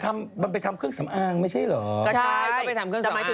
ทำมันไปทำเครื่องสำอางไม่ใช่เหรอก็ใช่ต้องไปทำเครื่องสำอาง